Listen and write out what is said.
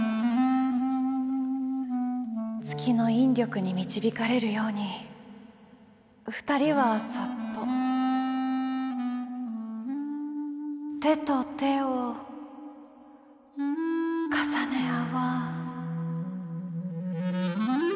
月の引力に導かれるように２人はそっと手と手を重ね合わせ。